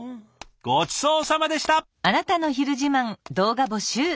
ごちそうさまでした！